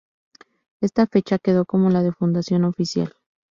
Esta fecha quedó como la de fundación oficial.